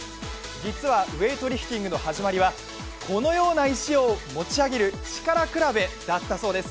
実はウエイトリフティングの始まりはこのような石を持ち上げる、力比べだったそうです。